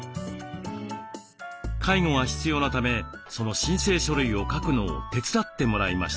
介護が必要なためその申請書類を書くのを手伝ってもらいました。